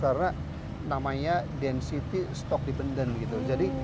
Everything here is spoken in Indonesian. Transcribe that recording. karena namanya density stock dependent gitu